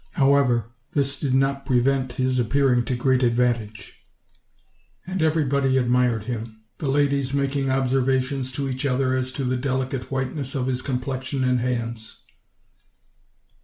1 however, this did not prevent his appearing to great advantage; and every body admired him, the ladies making observations to each other as to the delicate whiteness of his complexion and hands.